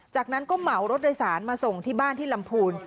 จากนั้นก็เหมารถโดยสารมาส่งที่บ้านที่ลำพูน